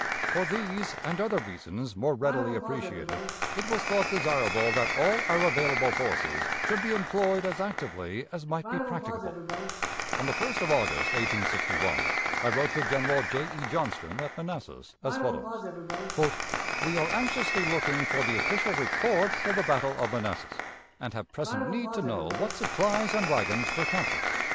For these, and other reasons more readily appreciated, it was thought desirable that all our available forces should be employed as actively as might be practicable. On the 1st of August, 1861, I wrote to General J. E. Johnston, at Manassas, as follows: "We are anxiously looking for the official reports of the battle of Manassas, and have present need to know what supplies and wagons were captured.